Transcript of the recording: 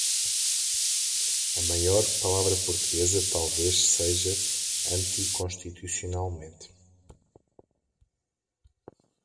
A maior palavra portuguesa talvez seja "anticonstitucionalmente".